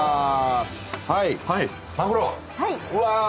はい。